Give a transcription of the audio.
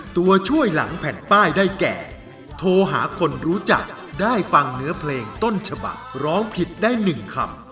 ตัวช่วยหลังแผ่นป้ายได้แก่โทรหาคนรู้จักได้ฟังเนื้อเพลงต้นฉบักร้องผิดได้๑คำ